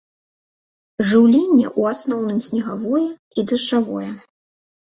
Жыўленне ў асноўным снегавое і дажджавое.